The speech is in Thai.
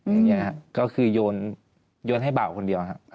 อย่างนี้ครับก็คือโยนให้เบาคนเดียวครับ